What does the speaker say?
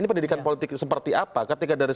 ini pendidikan politik seperti apa ketika dari